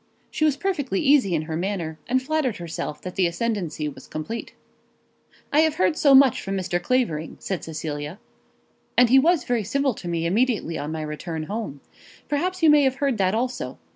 She was perfectly easy in her manner, and flattered herself that the ascendancy was complete. "I have heard as much from Mr. Clavering," said Cecilia. "And he was very civil to me immediately on my return home. Perhaps you may have heard that also.